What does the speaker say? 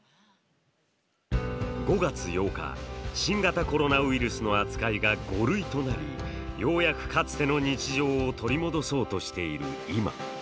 ５月８日新型コロナウイルスの扱いが５類となり、ようやくかつての日常を取り戻そうとしている今。